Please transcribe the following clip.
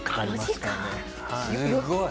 すごい。